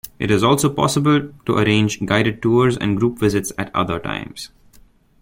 It is also possible to arrange guided tours and group visits at other times.